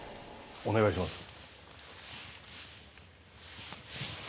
お願いします。